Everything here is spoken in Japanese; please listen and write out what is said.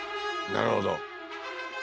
なるほど。